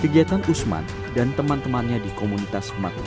kegiatan usman dan teman temannya di komunitas mak pj berdampak positif